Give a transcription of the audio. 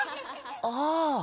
ああ。